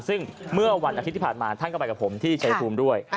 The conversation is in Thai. ซึ่งเมื่อวันอาทิตย์ที่ผ่านมาท่านก็ไปกับผมที่ชายภูมิด้วย